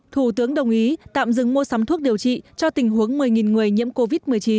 thủ tướng đồng ý tạm dừng mua sắm thuốc điều trị cho tình huống một mươi người nhiễm covid một mươi chín